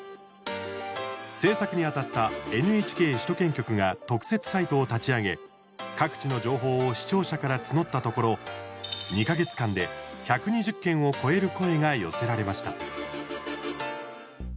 制作にあたったＮＨＫ首都圏局が特設サイトを立ち上げ各地の情報を視聴者から募ったところ２か月間で１２０件を超える声が寄せられました。